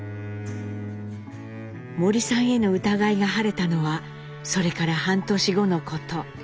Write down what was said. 森さんへの疑いが晴れたのはそれから半年後のこと。